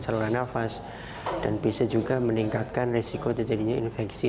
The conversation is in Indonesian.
saluran nafas dan bisa juga meningkatkan risiko terjadinya infeksi